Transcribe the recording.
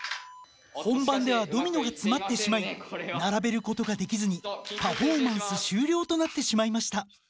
本番ではドミノが詰まってしまい並べることができずにパフォーマンス終了となってしまいました。